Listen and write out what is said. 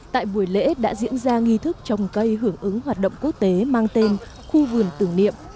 tại buổi lễ đã diễn ra nghi thức trồng cây hưởng ứng hoạt động quốc tế mang tên khu vườn tưởng niệm